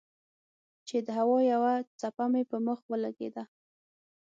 چې د هوا يوه چپه مې پۀ مخ ولګېده